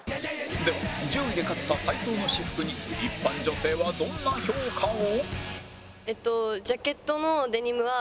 では１０位で勝った斎藤の私服に一般女性はどんな評価を？